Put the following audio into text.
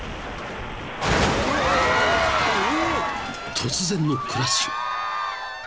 ［突然のクラッシュ］